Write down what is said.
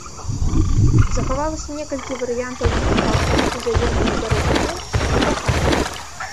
Захавалася некалькі варыянтаў міфа аб іх узаемнай барацьбе і каханні.